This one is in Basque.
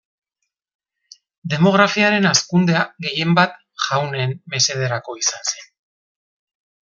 Demografiaren hazkundea gehienbat jaunen mesederako izan zen.